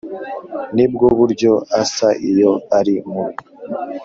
nibwo buryo asa iyo ari mubi